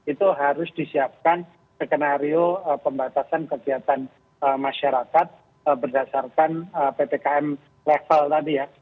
itu harus disiapkan skenario pembatasan kegiatan masyarakat berdasarkan ppkm level tadi ya